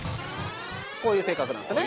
こういう性格なんですよね